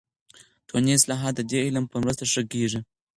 ټولنیز اصلاحات د دې علم په مرسته ښه کیږي.